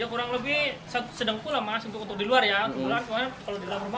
ya kurang lebih sedang pulang mas untuk di luar ya kalau di dalam rumah